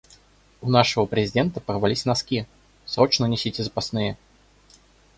У нашего Президента порвались носки, срочно несите запасные!